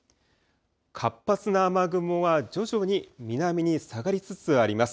活発な雨雲は徐々に南に下がりつつあります。